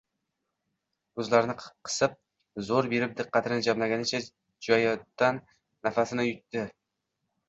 Ko‘zlarini qisib, zo‘r berib diqqatini jamlagancha Jonatan nafasini ichiga yutdi.